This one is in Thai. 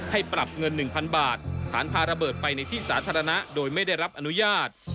ปรับเงิน๑๐๐๐บาทฐานพาระเบิดไปในที่สาธารณะโดยไม่ได้รับอนุญาต